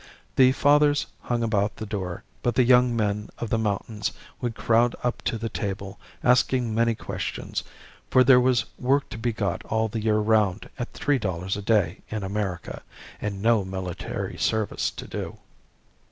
The fathers hung about the door, but the young men of the mountains would crowd up to the table asking many questions, for there was work to be got all the year round at three dollars a day in America, and no military service to do.